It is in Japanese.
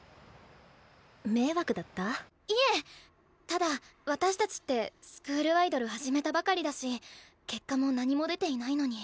ただ私たちってスクールアイドル始めたばかりだし結果も何も出ていないのに。